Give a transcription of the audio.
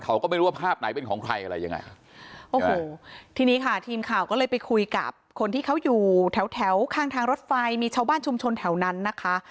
เขาก็ไม่รู้ว่าภาพไหนเป็นของใครอะไรยังไงโอ้โหทีนี้ค่ะทีมข่าวก็เลยไปคุยกับคนที่เขาอยู่แถวแถวข้างทางรถไฟมีชาวบ้านชุมชนแถวนั้นนะคะ